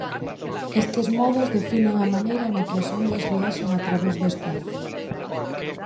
Estes modos definen a maneira na que as ondas viaxan a través do espazo.